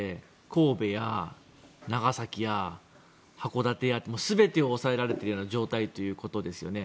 神戸や長崎や函館やって全てを押さえられているような状態ということですよね。